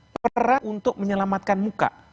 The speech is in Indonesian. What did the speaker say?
perang untuk menyelamatkan muka